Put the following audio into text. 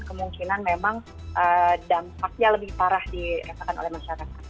kemungkinan memang dampaknya lebih parah di rasakan oleh masyarakat